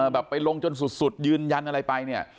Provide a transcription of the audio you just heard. ไปลงจนสุดยืนยันอะไรไปเนี่ย